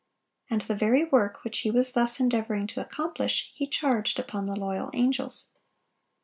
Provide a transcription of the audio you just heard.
And the very work which he was thus endeavoring to accomplish, he charged upon the loyal angels.